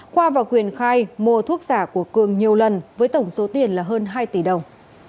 khoa và quyền khai mua thuốc giả của cường nhiều lần với tổng số tiền là hơn hai tỷ đồng